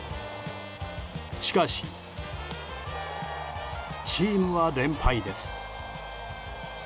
しかし、チームは連敗です。